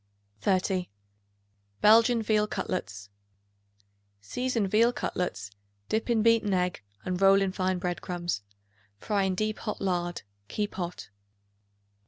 30. Belgian Veal Cutlets. Season veal cutlets; dip in beaten egg and roll in fine bread crumbs. Fry in deep hot lard; keep hot.